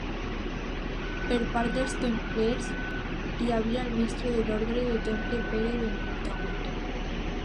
Per part dels templers, hi havia el mestre de l'orde del Temple Pere de Montagut.